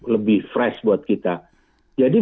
lebih fresh buat kita jadi